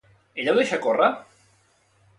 Ella ho deixa córrer?